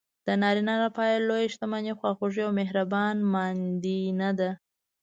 د نارینه لپاره لویه شتمني خواخوږې او مهربانه ماندینه ده.